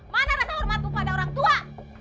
mana rasa hormatmu kepada orang tua